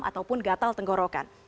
ataupun gatal tenggorokan